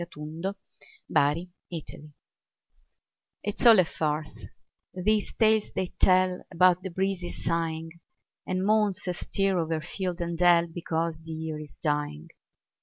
MERRY AUTUMN It's all a farce, these tales they tell About the breezes sighing, And moans astir o'er field and dell, Because the year is dying.